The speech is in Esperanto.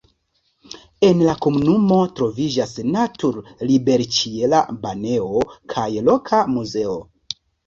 En la komunumo troviĝas natur-liberĉiela banejo kaj loka muzeo.